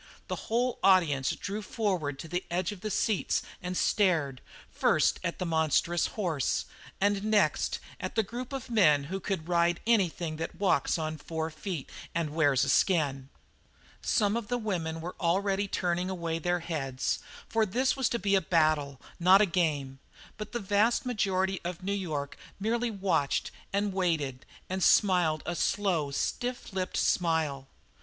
The whole audience drew forward to the edge of the seats and stared, first at the monstrous horse, and next at the group of men who could "ride anything that walks on four feet and wears a skin." Some of the women were already turning away their heads, for this was to be a battle, not a game; but the vast majority of New York merely watched and waited and smiled a slow, stiff lipped smile.